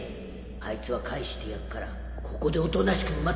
あいつは返してやっからここでおとなしく待ってろ